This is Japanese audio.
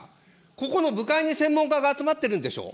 ここの部会に専門家が集まってるんでしょう。